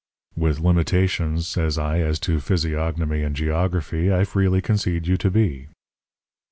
"'With limitations,' says I, 'as to physiognomy and geography, I freely concede you to be.'